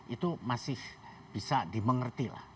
itu masih bisa dimengerti lah